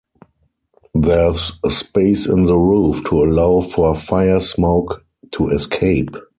There's space in the roof to allow for fire smoke to escape.